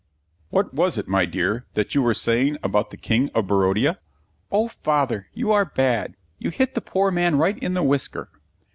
"What was it, my dear, that you were saying about the King of Barodia?" "Oh, Father, you are bad. You hit the poor man right in the whisker."